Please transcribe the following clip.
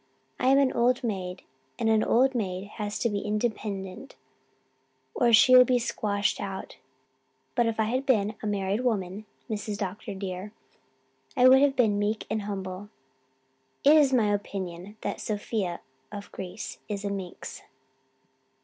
I am an old maid and an old maid has to be independent or she will be squashed out. But if I had been a married woman, Mrs. Dr. dear, I would have been meek and humble. It is my opinion that this Sophia of Greece is a minx."